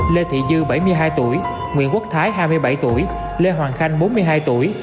lê thị dư bảy mươi hai tuổi nguyễn quốc thái hai mươi bảy tuổi lê hoàng khanh bốn mươi hai tuổi